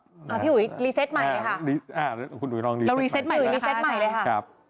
พี่อุ๋ยรีเซตใหม่เลยค่ะเรารีเซตใหม่แล้วค่ะครับ